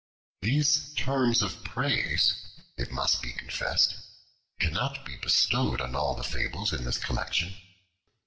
These terms of praise, it must be confessed, cannot be bestowed on all the fables in this collection.